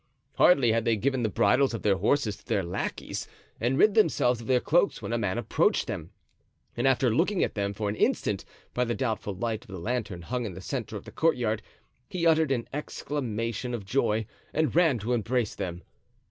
Hardly had they given the bridles of their horses to their lackeys and rid themselves of their cloaks when a man approached them, and after looking at them for an instant by the doubtful light of the lantern hung in the centre of the courtyard he uttered an exclamation of joy and ran to embrace them.